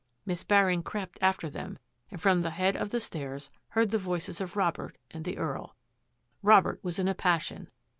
" Miss Baring crept after them, and from the head of the stairs heard the voices of Robert and the Earl. Robert was in a passion.